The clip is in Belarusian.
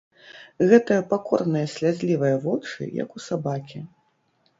Гэтыя пакорныя слязлівыя вочы, як у сабакі.